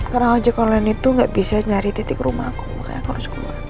karena ojk online itu gak bisa nyari titik rumah aku